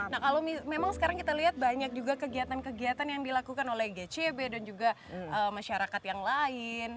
nah kalau memang sekarang kita lihat banyak juga kegiatan kegiatan yang dilakukan oleh gcb dan juga masyarakat yang lain